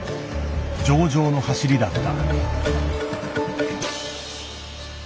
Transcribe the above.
上々の走りだった。